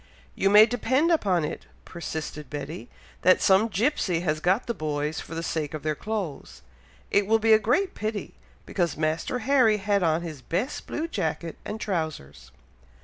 "You may depend upon it," persisted Betty, "that some gipsey has got the boys for the sake of their clothes. It will be a great pity, because Master Harry had on his best blue jacket and trowsers."